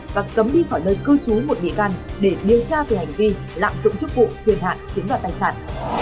và cấm đi khỏi nơi cư trú một bị can để điều tra về hành vi lạm trụng chức vụ thiền hạn chiến đoạt tài sản